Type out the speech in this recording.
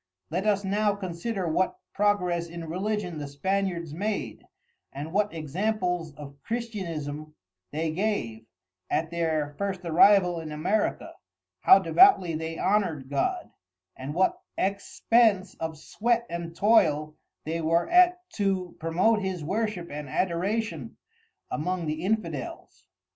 Let us now consider what progress in Religion the Spaniards made, and what examples of Christianism they gave, at their first arrival in America, how devoutly they honoured God, and what expence of sweat and toil they were at to promote his Worship and Adoration among the Infidels.